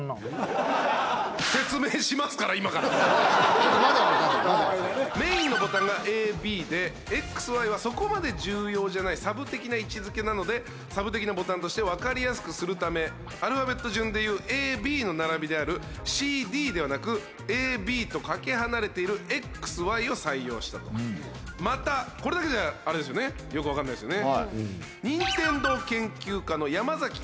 ちょっとまだ分かんないメインのボタンがＡＢでＸＹはそこまで重要じゃないサブ的な位置づけなのでサブ的なボタンとして分かりやすくするためアルファベット順でいうＡＢの並びであるＣＤではなくＡＢとかけ離れているＸＹを採用したとまたこれだけじゃあれですよねよく分かんないですよね